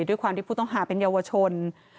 ด้วยความที่ผู้ต้องหาเป็นเยาวชน